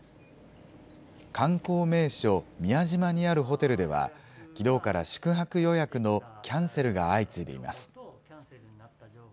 観光名所、宮島にあるホテルではきのうから宿泊予約のキャンセルが相次いでいます。